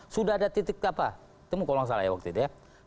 sudah ada titik apa temu kalau nggak salah ya waktu itu ya